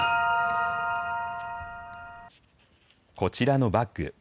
こちらのバッグ。